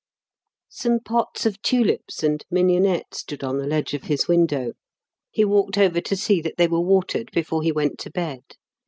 Some pots of tulips and mignonette stood on the ledge of his window. He walked over to see that they were watered before he went to bed.